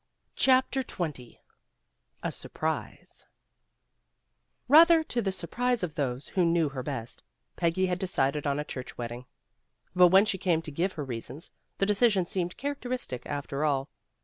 CHAPTER XX A SURPRISE BATHER to the surprise of those who knew her best, Peggy had decided on a church wedding. But when she came to give her reasons, the decision seemed characteristic, after all.